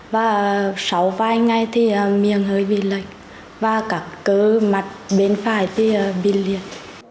và sáu vài ngày thì miệng hơi bị lạnh và cả cơ mặt bên phải thì bị liệt